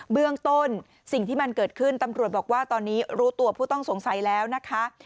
เรื่องต้นสิ่งที่มันเกิดขึ้นตำรวจบอกว่าตอนนี้รู้ตัวผู้ต้องสงสัยแล้วนะคะ